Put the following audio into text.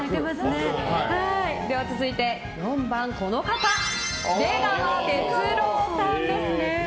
続いて４番、出川哲朗さんです。